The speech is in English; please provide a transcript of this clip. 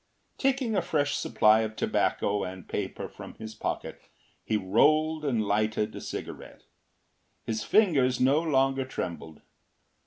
Taking a fresh supply of tobacco and paper from his pocket, he rolled and lighted a cigarette. His fingers no longer trembled.